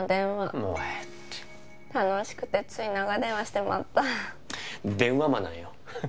もうええって楽しくてつい長電話してまった電話魔なんよ